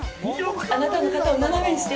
あなたの肩を斜めにして。